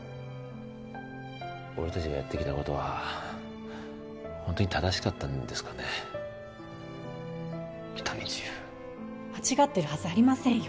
俺達がやってきたことはホントに正しかったんですかね喜多見チーフ間違ってるはずありませんよ